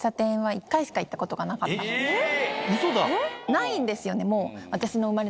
ないんですよねもう。